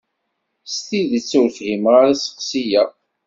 S tidet ur fhimeɣ asseqsi-a.